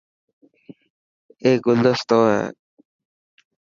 اي گلدستو هي.